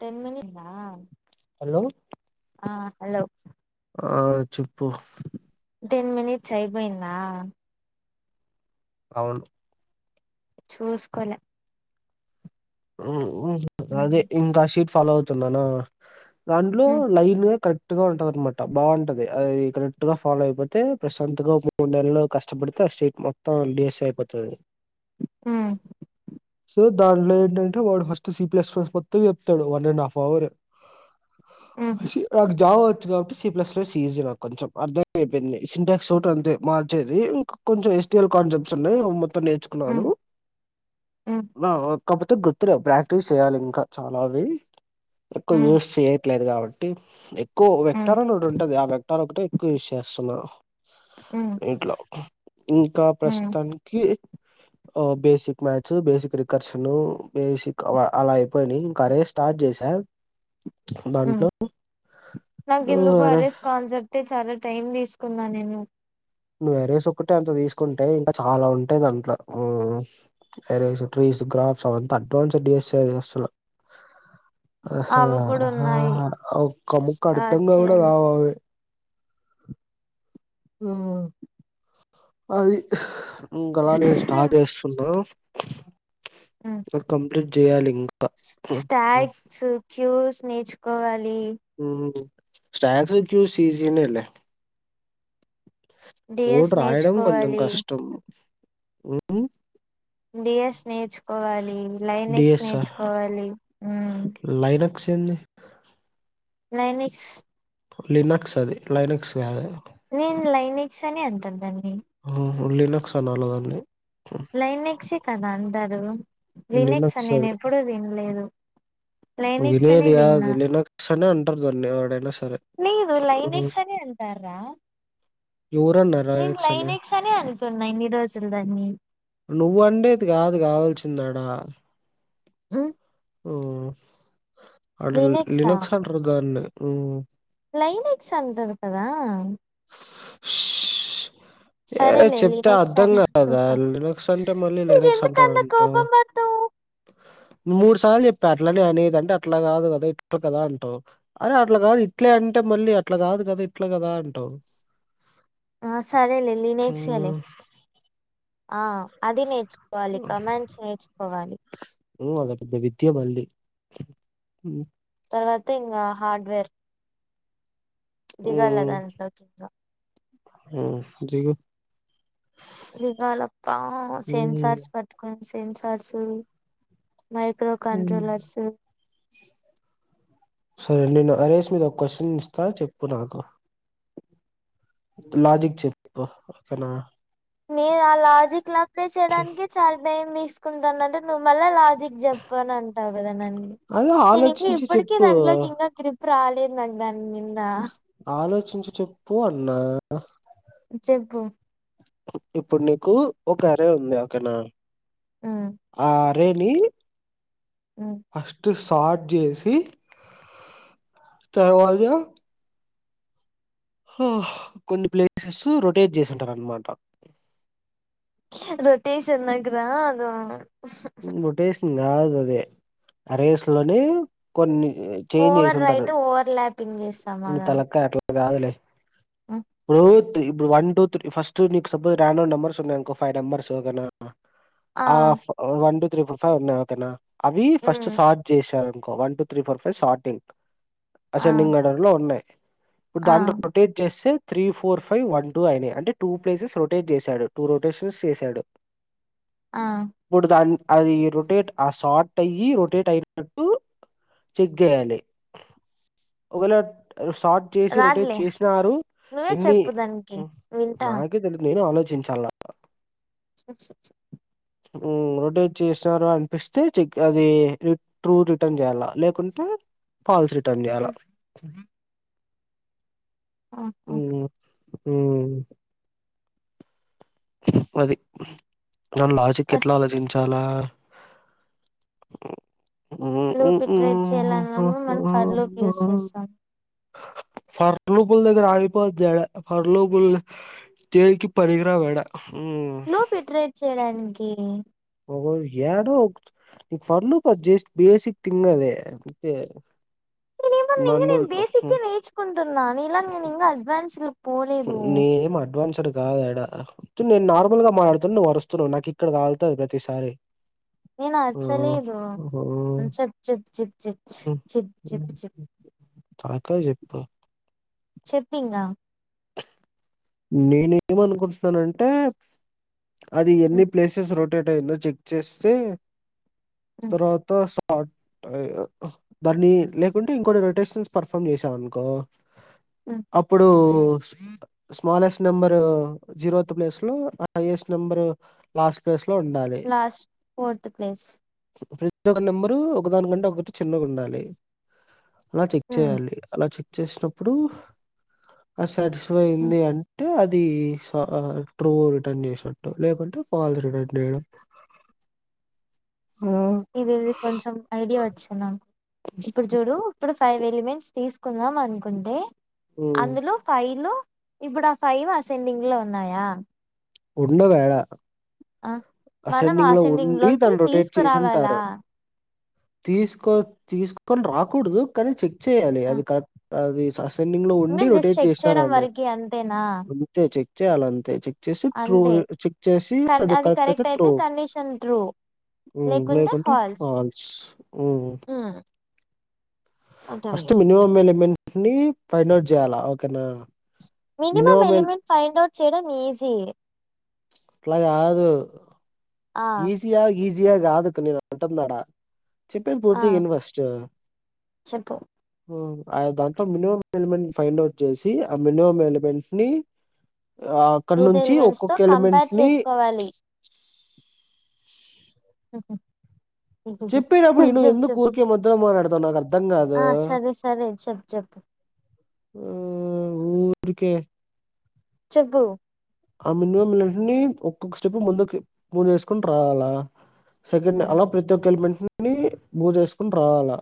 Ten minutes ఆ hello ఆ hello ఆ చెిప్పు టెన్ మీనిట్స్ అయిపోయిందా అవును చూసుకొలే మ్ అదే ఇంకా షీట్ ఫాలో అవుతున్ననా దాంట్లో లైన్ గ క ర్ట్గ ఉంటదన్నమాట బాగుంటది అది కరెట్గా ఫాలో అయిపోతే ప్రశాంతంగా మూడు నేళళ్ళో కష్టపడితే స్టేట్ మొత్తం లేస్ అయిపోతది ఆ సో దాంట్లో ఏంటంటే వాడు ఫస్ట్ సి ప్లస్ మొత్తం చెప్తాడు వన్ అండ్ హాఫ్ అవర్ చ్ నాకు జవ్ కాబట్టి సిప్స్ ఈజీ నాకు కొంచెం అర్థమైపోయింది సింటాక్స్ ఒకటి అంతే మార్చేది ఇంకా కొంచెం కాన్సెప్ట్స్ ఉన్నాయి మొత్తం నేర్చుకున్నాను ఆ కాకపోతే గుర్తులే ప్రాక్టీస్ చేయాలి ఇంకా చాలా అవి ఎక్కువ యూస్ చే ట్లేదు కాబట్టి ఎక్కువ వెక్టారం అని ఒకటి ఉంటది ఆ వెక్టార్ ఒకటి ఎక్కువ యూజ్ చేస్తున్నార్ ఇంట్లో ఇంకా ప్రస్తుతానికి అ బేసిక్ మ్య బేసిక్ రికడ్స్ ఉన్ను బేసిక్ అలా అయిపోయినాయి ఇంకా అదే స్టార్ట్ చేసా మ్ దాంట్లో నాకు ఎందుకో అరే వారిస్ కన్సెప్ే చాలా టైం తీసుకున్నా నేను నువ్వు ఎరేస్ ఒక్కటే అంత తీసుకుంటే ఇంకా చాలా ఉంటాయి దాంట్లో మ్ ఎరేస్ ట్రీ క్రాప్స్ అదంతా అడ్వాన్స్డిస్ అది అసలు అ అవి కూడా అహ ఉన్నాయి ఒక్క ముక్క అర్ధం స్టార్ట్ కుడా చేయాలి కావవి మ్ అది ఇంకలా నేను స్టార్ట్ చేస్తున్నా అ కంప్లీట్ చేయాలి ఇం స్టాగ్స్ క్యూస్ నేర్చుకోవాలి ఉహు స్నాక్స్ క్యూ సీజినేలే డిఎస్ కొడురాయడం కొంచం నేర్చుకోవాలి కష్టం ఉహు డియస్ నేర్చుకోవాలి లైనెక్స్ డిఎస్ఆర్ నేర్చుకోవాలి చెన్నై నైనిస్ లినక్స్ అది లైనక్స్ కాదు నేన్ లైనక్స్ అనే అంట దాన్ని ఉహు లీనక్స్ అనాల దాన్ని లైనెక్సే కదా అందరు లీనెక్స్ లినక్స్ నేను అది ఎప్పుడూ వినలేదు లైనెక్స్ అనే వినేది విన్నా కాదు లెనెక్స్ అనే అంటారు దాన్ని ఒడనా స లేదు లైనక్స్ అనే అంతార ఎవరన్నారా నేను లినక్స్ అని లైన్క్స్ అనె అనుకున్నా యిన్ని రోజుల దాన్ని నువ్వండేది కాదు కావాల్సిందడా ఉ ఒ అంట లినెక్సా లినెక్స్ అంటారు దాన్ని లైనెక్స్ అంటరు కదా ఏ సరేలే చెప్తే లినెక్స్ అర్థం అని కదా అనుకున్నా లెనక్స్ అంటే మళ్ళీ లినక్స్ ఎందుకు అంత అంటారంటా కోపం పడతావు మూడు సార్లు చెప్పా అట్లనే అనేది అంటే అట్లా కాదు కదా ఇట్లా కదా అంటావు అరే అట్లా కాదు ఇట్లే అంటే మళ్ళీ అట్లా కాదు కదా ఇట్లా కదా అంటావు ఆ సరేలే లైనక్స్ ఏలే ఉమ్. ఆ అది నేర్చుకోవాలి కమాండ్స్ నేర్చుకోవాలి ఉఊ అద పెదత్య మళ్లి తర్వాత ఇంగ హార్డ్వేర్ దిగాలదా అంట ఉ దిగు దిగాలప్ప ఉమ్, సెన్సార్స్ పట్టుకుని సెన్సార్స్ మైక్రో ఉమ్. కంట్రోలర్స్ సరే నేను అరేస్ మీద ఒక క్వశ్చన్ ఇస్తా చెప్పు నాకు లాజిక్ చెప్పు ఓకేనా నేను ఆ లాజిక్ లాపే చేయడానికి చాలా టైం తీసుకుంటానట్టు నువ్వు మళ్ళా లాజిక్ చెప్పను అంటావు కదా నన్ని అదే నేను ఇంకా ఆలోచించి ఇప్పటిక చెప్పు దాంట్లోకి ఇంకా గ్రిప్ రాలేదు దానింద ఆలోచించి చెప్పు అన్నా చెప్పు ఇప్పుడు నీకు ఒక అరే ఉంది ఒకెనా ఉమ్ ఆ రేని ఉమ్ అత్తుస్ స్టార్ట్ చేసి తర్వాద కొన్ని ప్లేసెస్ రొటేట్ చేసింటారున్నమాట రొటేషన్ నాకు రాదు రొటేషన్ కాదు అది అరేస్ లోనె కొన్ని చేంజ్ చేసి ఓవర్ ఉంటారు రైట్ ఓవర్ ల్యాపింగ్ చేస్తాం కదా తలక్క అట్లా కాదులే ఇప్పు ఇప్పుడు వన్ టూ త్రీ ఫస్ట్ నీకు సపోజ్ రాండో నెంబర్స్ ఉన్నాయనుకో ఫైవ్ నెంబర్స్నా ఆ one two three four five ఉన్నాయి ఒకేనా అవి ఫస్ట్ ఉమ్ స్టార్ట్ జేశారు one two three four five starting ఆ అసెండింగ్ ఆర్డర్ లో ఉన్నాయి ఇప్పుడు ఆ దాన్ని రొటేట్ చేస్తే three four five one two అయినాయి అంటే టూ ప్లేసెస్ రొటేట్ చేశాడు టూ రొటేషన్స్ చేశాడు ఆ ఇప్పుడు దాన్ అది రొటేట్ ఆ షార్ట్ అయి రొటేట్ అయినట్టు చెక్ చేయాలి ఒకేవేళ షార్ట్ చేసి రొటేట్ రాదులే చేసినారు నువ్వే ఎన్ని చెప్పు దానికి వింటా నాకే తెలిదు నేను ఆలోచించాల [inaudible] మ్మ్ రొటేట్ చేసినారు అనిపిస్తే చెక్ అది ట్రూ రిటర్న్ చేయాల్ల లేకుంటే ఫాల్స్ రిటర్న్ చేయాలా ఆహ మ్మ్ అది మనం లాజిక్ ఎట్లా ఫస్ట్ ఆలోచించాలా ఆహ్ ము మూ లూప్ ఇట్రేట్ ఉహు చేయాలన్నప్పుడు మనం ఫర్ లూప్ యూస్ ఉహు చేస్తాం [unintelligible] ఫర్పుల్ దగ్గర ఆగిపోవద్దు యాడ ఫర్లోపుల్ దేనికీ పనికి రావు యాడ లుపు ఇట్రేట్ చేయడానికి ఒకొరు యాడో ఒక ఫర్ లు జస్ట్ బేసిక్ థింగ్ అదే అంతే నిను ఎమన్నా ఇంగా నన్ను బేసిక్ ఏ నేర్చుకుంటున్నా నీ లాగ నిను అడ్వాన్స్ లు నేను ఏమ్ అడ్వాన్స్డ్ రాదు యాడ తు నేను నార్మల్ గా మాట్లాడుతున్నాను నువ్వు అరుస్తున్నావు నాకు ఇక్కడ కాలుతాది ప్రతిసారి నేను అరచలేదు ఆ చెప్ చెప్ చెప్ చెప్ చెప్ చెప్పు తకా చెప్ప చెప్పు ఇంగా నేను ఏమ్ అనుకుంటున్నానంటే అది ఎన్ని ప్లేసెస్ రొ రొటేట్ అయిందో చెక్ చేస్తే తరువాత దాన్ని లేకుంటే ఇంకోటి రొటేషన్స్ పర్ఫామ్ చేసాం అనుకో అప్పుడు స్మాలెస్ట్ నెంబర్ జీరో ప్లేస్ లో హైయెస్ట్ నెంబర్ లాస్ట్ ప్లేస్ లో ఉండాలి లాస్ట్ ఫోర్త్ ప్లేస్ ఇంకొక నెంబరు ఒకదాని కంటే ఒకటి చిన్నగా ఉండాలి అలా చెక్ చేయాలి అలా చె చేసినప్పుడు ఆ సాటిస్ఫై అయింది అంటే అది అది సో ట్రూ రిటర్న్ చేసినట్టు లేకుంటే ఫాల్స్ రిటర్న్ చేయడం [inaudible] అలా ఇది ఇది కొంచెం ఐడియా వచ్చిందా ఇప్పుడు చూడు ఇప్పుడు ఫై ఫైవ్ ఎలిమెంట్స్ తీసుకుందాం అనుకుంటే ఉమ్, అందులో ఫైల్ ఇప్పుడు ఆ ఫైవ్ అసెండింగ్ లో ఉన్నాయా ఉండవు యాడ ఆ మనం అసెండింగ్ లో ఆసెండింగ్ ఉండి లోకి దాన్ని రొటేట్ తీసుకురావాలా చేసింటారు తీసుకో తీసుకొని రాకూడదు కానీ చెక్ చేయాలి ఆ, అది కా అది ప రన్నింగ్ లో ఉండి నేను జస్ట్ రొటేట్ చెక్ చేయడం చేస్తారండి వరకి అంతేనా అంతే చెక్ చేయాలి అంతే చెక్ చేసి ట్రూ అంతే చెక్ చేసి అది కరెక్ట్ అయితే ట్రూ మ్మ్ లేకుంటే ఫాల్స్ ఉమ్ ఫస్ట్ అర్థమైంది మినిమామ్ ఎలిమెంట్ ని ఫైండ్ అవుట్ చేయాలా ఓకేనా మినిమం ఎలిమెంట్ ఫైండ్ అవుట్ చేయడం ఈజీ అట్లా కాదు ఆ ఈజీయ ఈ [unintelligible] కాదు నేను అంటుంది ఆడ చెప్పేది ఆ పూర్తిగ విను ఫస్ట్ చెప్పు దాంట్లో మినిమం ఎలిమెంట్ ఫైండ్ అవుట్ చేసి ఆ మినిమం ఎలిమెంట్ ని ఆ అక్కడ మిగతా నుంచి ఎలిమెంట్స్ తో ఒక్కొక్క ఎలిమెంట్ కంపేర్ ని ఆహా చెప్పేటప్పుడు విను ఎందుకు ఊరికే మద్యలో మాట్లాడతావు నాకు అర్థం కాదు ఆ సరే సరే చెప్ చెప్పు ఆ ఊరికే చెప్పు ఆ మినిమంఅన్నిటిని ఒక్కొక్క స్టెప్ ముందు ముందు వేసుకుని రావాలా సెకండ్ ఉమ్ అలా ప్రతి ఒక్క ఎల్మెట్ని మూవ్ చేసుకొని రావాల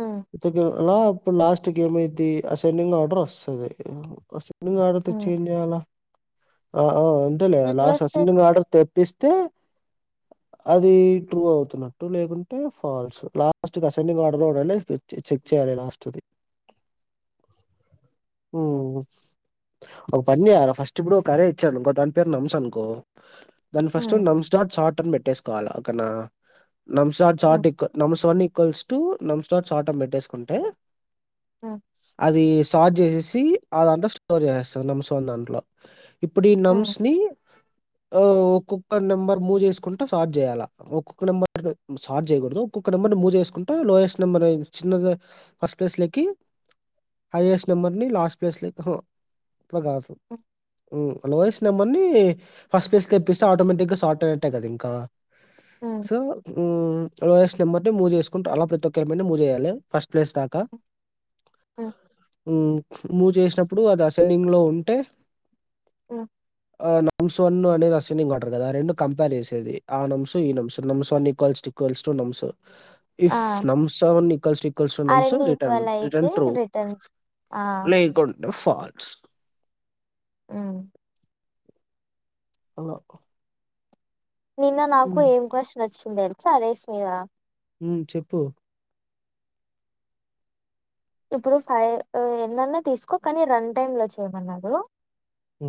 ఉమ్ అలా ఇప్పుడు లాస్ట్ కి ఏమైది అసెండింగ్ ఆర్డర్ వస్తది వస్ ఉమ్ [unintelligible] ఆ అంతేలే లాస్ట్ ఎట్లొస్తది అసెండింగ్ ఆర్డర్ [unintelligible] తీస్తే అది ట్రూ అవుతున్నట్టు లేకుంటే ఫాల్స్ లాస్ట్ అసెండింగ్ ఆర్డర్ లో ఉండాలి చెక్ చేయ లాస్ట్ ది ఉ ఉమ్ ఒక పని చేయ్యాలి ఫస్ట్ ఇప్పుడు ఒక అరే ఇచ్చానుకో దాని పేరు [unintelligible] అనుకో దాని ఫస్ట్ ఉమ్ నమ్స్టట్ చార్ట్ అని పెట్టేసుకోవాల అని నమ్స్టట్ షార్ట్ నమ్స్న్ [unintelligible] అ పెట్టేసుకుంటే ఉమ్ అది షార్ట్ చే ఆ దాంట్లో స్టోర్ చేసేస్తారు నమ్స్ దాంట్లో ఇప్పుడు ఈ ఉమ్ నమ్స్ ని ఒక్కొక్క నెంబర్ మూవ్ చేసుకుంట షార్ట్ చేయల ఒక్కొక్క నెంబర్ స్టర్ట్ చేయకూడదు ఒక్కొక్క ఒక నెంబర్ మూవ్ చేసుకుంటు లోయెస్ట్ నెంబర్ చిన్న ఫస్ట్ ప్లేస్ లోకి హైయెస్ట్ నెంబర్ ని లాస్ట్ ప్లేస్ ఉమ్ [unintelligible] లోఎస్ట్ నెంబర్ని ఫస్ట్ ప్లేస్ తెప్పిస్తే ఆటోమేటిక్ గా స్తర్ట్ అయినట్టే కదా ఇంకా ఉమ్ సో లోఎస్ట్ నెంబర్ మూవ్ చేసుకుంటూ అలా ప్రతి ఒక్క [unintelligible] మూవ్ చేయాలి ఫస్ట్ ప్లేస్ దాకా ఉమ్ మూవ్ చేసినప్పుడు అది అసెండింగ్ లో ఉంటే హ్మ్. ఆ నాం స ను స్నింగ్ కొట కదా ఆ రెండు కంపే చేసే ఆ నమ్స్ ఈ nums nums one equals equals to nums ఆ ఇఫ్ నమ్సన్ ఇక్ల్స్ ఇక్వల్స్ ట ఆ నమ్స రెండు రిటన్ ఈక్వల్ అయితే రిటన్ ట్రూ రిటర్న్ ఆ లేకుటే ఫాల్స్ ఉ [unintelligible] నిన్న నాకు ఉమ్, ఏం క్వ్చన్ వచ్చింది తెలుసా [unintelligible] మీద చెప్పు ఇప్పుడు ఫైవ్ ఎన్నన్నా తీసుకో కానీ రన్ టైమ్ లో చేయమన్నాడు అ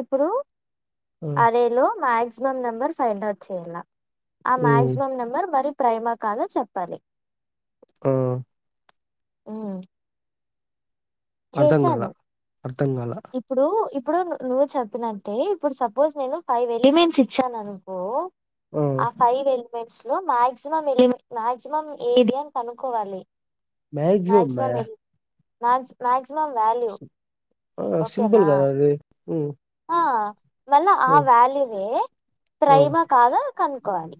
ఇప్పుడు అరేలో మాక్సిమం నంబర్ ఫైండ్ అవుట్ చేయాల ఆ ఉమ్, మ్యాక్సిమం నెంబర్ మరి ప్రైమా కాద చెప్పాలి ఆ ఉ అర్థం కాల చేశాను అర్థం కాల ఇప్పుడు ఇప్పుడు నువ్వు చెప్పినట్టే ఇప్పుడు సపోజ్ నేను ఫైవ్ ఎలిమెంట్స్ ఇచ్చాను అనుకో ఆ ఫైవ్ ఎ మ్యాక్స్ లో మ్యాక్సియమ్ ఎలిమెంట్ మాక్సిమం ఏది అని కనుక్కోవాలి య్యాక్సిమమ్ మాక్సిమం బాయ్ ఎ మ్యాక్స్ మ్యాక్సిమమ్ వ్యాల్యు సింపుల్ ఓకేనా కదా అది ఉమ్, ఆ వల్ల ఆ ఉమ్, వ్యాల్యూే వె ఆ, త్రైమ కాద కనుక్కవాలి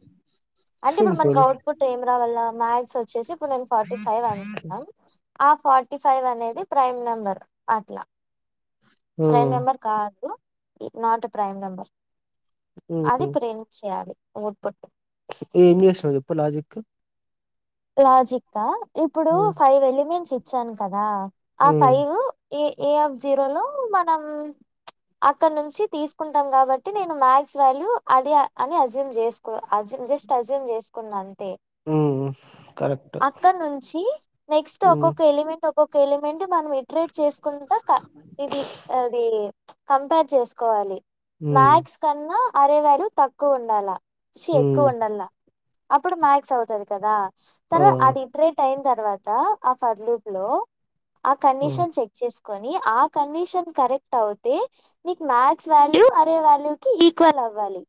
అంటే ఇప్పుడు మనకి సింపుల్ అవుట్ పుట్ ఎమ్ రా వల్ల మ్యా క్స్ వచ్చేసి ఇప్పుడు నేను ఫార్టీ ఫైవ్ అ ఆ ఫార్ ఫార్టీ ఫైవ్ అనేది ప్రైమ్ నెంబర్ అట్లా ప్రైమ్ ఉమ్, నెంబర్ కాదు నాట్ ప్రైమ్ నెంబర్ అది ఇప్పుడు ప్రింట్ చేయాలి అవుట్ పుట్ ఏమి చెస్తుంది చెప్పు లాజిక్ లాజిక్ గ ఆ ఇప్పుడు ఉమ్, ఫైవ్ ఎలిమెంట్స్ ఇచ్చాను కదా ఆ ఉమ్, five a a of zero లో మనం అక్కడ నుంచి తీసుకుంటాం కాబట్టి నేను మ్యాథ్స్ వాల్యూ అది అని అజ్యూమ్ చేసుకో అూ జస్ట్ అజ్యూమ్ చేసుకోండి అంతె ఉహ్ అక్కడ నుంచి నెక్స్ట్ ఉమ్, ఒక్కొక్క ఎలిమెంట్ ఒక్కొక్క ఎలిమెంట్ మనం ట్రీ చేసుకుంటా ఇది అది కంపేర్ చేసుకోవాలి ఉమ్, మ్యాక్్స్ కన్నా అరేవాల తక్కువ ఉండాల షి ఉమ్, ఎక్కువ ఉండాల అప్పుడు మ్యాక్స్ అవుతది కదా ఆ, తర్ అది ఇట్రేట్ అయిం తర్వా తర్వాత ఆ ఫర్లూప్ లో ఆ కండిషన్ చెక్ చేస్ కొని ఆ కండిషన్ కరెక్ట్ అవుతే నీక్ మ్యాథ్స్ వాల్యూ అరే వాల్యూి ఈక్వల్ అవ అవ్వాలి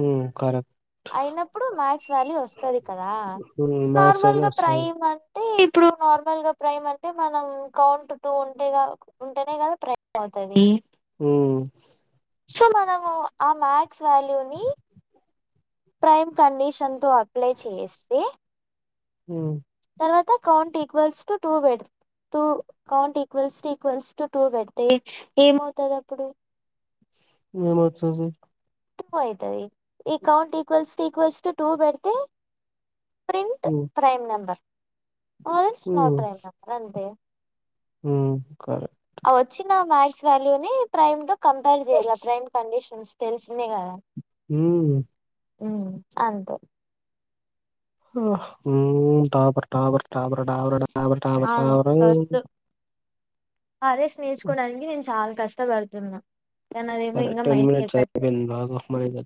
ఉమ్ కరెక్ట్ అయినప్పుడు మ్యాక్స్ వాల్యూ వస్తది కదా ఉమ్, మ్యాథ్స్ నార్మల్ వాళ్ళు గా వచ్చారు ప్రైమ్ అంటే ఇప్పుడు నార్మల్ గా ప్రైమ్ అంటే మనం కౌంట్ టూ ఉంటే ఉంటేనే కదా ప్రైమ్ కా తది ఉమ్, సో మనము ఆ మ్యాథ్స్ వాల్యూ ని ప్రైమ్ కండిషన్తో అప్లై చేస్తే హు తర్వాత కౌంట్ ఈక్వల్స్టు టూ వ two count equals to equals to two పెడితె ఏమవుతుంది అప్పుడు ఏమోస్తది టూ అవుతది ఈ count equals to equals to two పెడితే ప్రింట్ హ్మ్ ప్రైమ్ నంబర్ ఆస్ో ట్రైమ్ అంతే ఉ వచ్చిన మ్యాక్స్ వాల్యూ ని ప్రైమ్ తో కంపేర్ చేయాల ప్రైమ్ కండిషన్ తెలిసిందే కదా హ్మ్. ఉ అంతే మ్ topper topper topper topper topper topper టాపరోయ్ arrays నేర్చుకోవడానికి నేను చాల కష్టపడుతున్నా కానీ అదే మో సరే ఇంకా మైండ్ కి మినిట్స్ ఎక్కట్లేదు అయిపోయింది. బాగా మనీగా